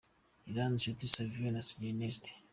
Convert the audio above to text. Iranzi, Nshuti Savio na Sugira Ernest.